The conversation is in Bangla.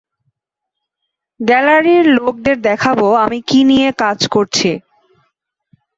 গ্যালারির লোকদের দেখাবো আমি কী নিয়ে কাজ করছি।